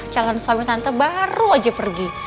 calon suami tante baru aja pergi